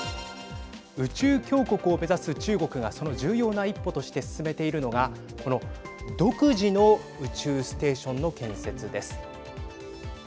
宇宙強国を目指す中国がその重要な一歩として進めているのがこの独自の宇宙ステーションの建設です。